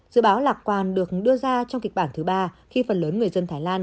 dự báo lạc quan được đưa ra trong kịch bản thứ ba khi phần lớn người dân thái lan